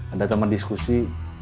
ada teman diskusi